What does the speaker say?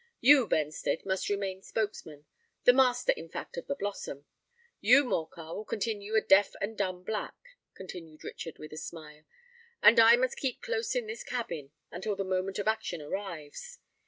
You, Benstead, must remain spokesman—the master, in fact, of the Blossom; you, Morcar, will continue a deaf and dumb Black," continued Richard, with a smile; "and I must keep close in this cabin until the moment of action arrives.